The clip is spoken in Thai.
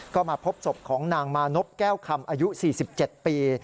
ก็มาพบศพของนางมานพแก้วคำอายุ๔๗ปี